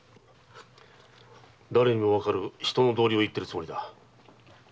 誰にも判る人の道理を言ってるつもりだ。